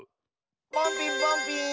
ポンピーンポンピーン！